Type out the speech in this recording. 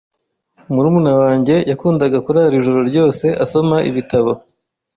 Murumuna wanjye yakundaga kurara ijoro ryose asoma ibitabo.